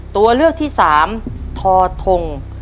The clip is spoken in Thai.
ตัวเลือกที่สามทอทง